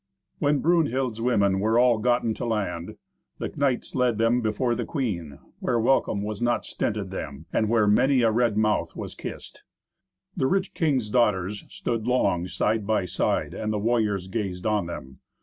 When Brunhild's women were all gotten to land, the knights led them before the queen, where welcome was not stinted them, and, where many a red mouth was kissed. The rich kings' daughters stood long side by side, and the warriors gazed on them.